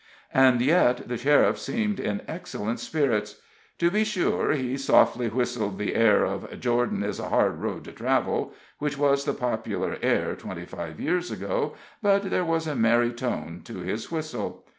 And yet the sheriff seemed in excellent spirits. To be sure, he softly whistled the air of, "Jordan is a hard road to travel," which was the popular air twenty five years ago, but there was a merry tone to his whistle.